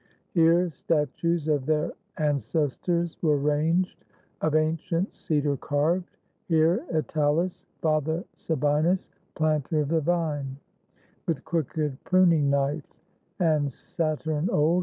Here statues of their ancestors were ranged, Of ancient cedar carved; here Italus, Father Sabinus, planter of the vine, With crooked pruning knife, and Saturn old.